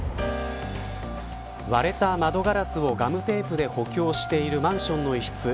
割れた窓ガラスをガムテープで補強しているマンションの一室。